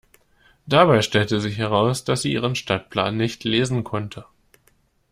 Dabei stellte sich heraus, dass sie ihren Stadtplan nicht lesen konnte.